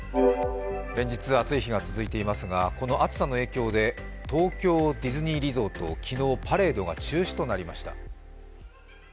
連日暑い日が続いていますがこの暑さの影響で、東京ディズニーリゾート、昨日パレードが中止となりました。